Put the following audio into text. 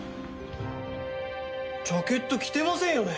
ジャケット着てませんよね？